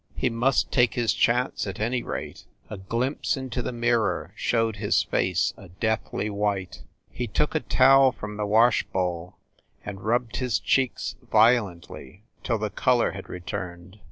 He must take his chance, at any rate. A glimpse into a mirror showed his face a deathly white. He took a towel from the washbowl and rubbed his cheeks violently, till the color had returned.